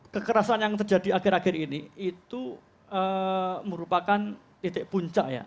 kekerasan yang terjadi akhir akhir ini itu merupakan titik puncak ya